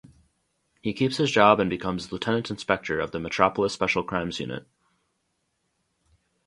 He keeps his job and becomes Lieutenant Inspector of the Metropolis Special Crimes Unit.